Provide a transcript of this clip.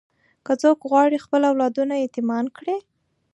که څوک غواړي خپل اولادونه یتیمان کړي.